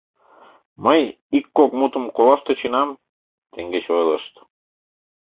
Мый ик-кок мутым колаш тӧченам... теҥгече ойлышт...